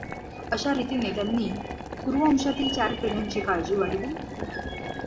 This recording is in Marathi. अशा रीतीने त्यांनी कुरुवंशातील चार पिढ्यांची काळजी वाहिली.